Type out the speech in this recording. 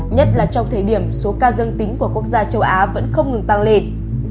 nhất là trong thời điểm số ca dân tính của quốc gia châu á vẫn không ngừng tăng lên